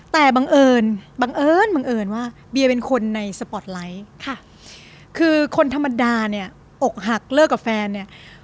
แต่บังเอิญบังเอิญบังเอิญว่าเบียเป็นคนในสปอร์ตไลท์ค่ะคือคนธรรมดาเนี่ยอกหักเลิกกับแฟนเนี่ย